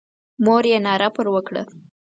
مور یې ناره پر وکړه.